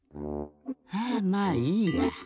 ハァまあいいや。